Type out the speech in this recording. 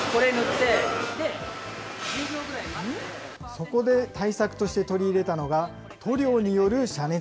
そこで、対策として取り入れたのが、塗料？